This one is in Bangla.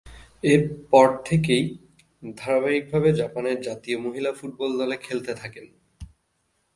এরপর থেকেই ধারাবাহিকভাবে জাপানের জাতীয় মহিলা ফুটবল দলে খেলতে থাকেন।